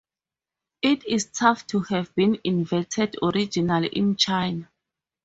It is thought to have been invented originally in China.